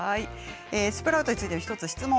スプラウトについての質問